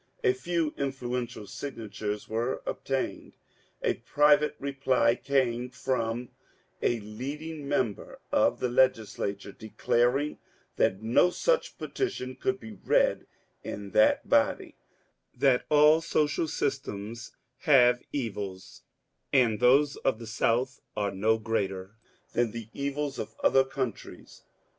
A few influeur tial signatures were obtained. A private reply came from a leading member of the Legislature, declaring that no such petition could be read in that body ; that all social systems have evils, and those of the South were no greater than the evils of other countries.